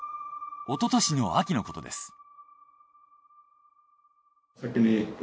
おととしの秋のことです。